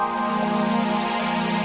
kamu tuh kecil lagi